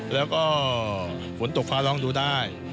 แล้วก็ฝนตกฟ้าร้องดูได้